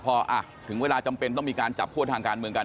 พอถึงเวลาจำเป็นต้องมีการจับคั่วทางการเมืองกัน